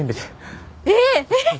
えっ！？